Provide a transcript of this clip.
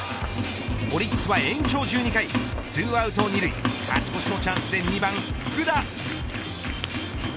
オリックスは延長１２回２アウト２塁勝ち越しのチャンスで２番福田。